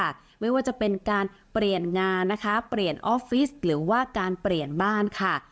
ไม่ว่าจะเป็นการเปลี่ยนงานนะคะเปลี่ยนออฟฟิศหรือว่าการเปลี่ยนบ้านค่ะ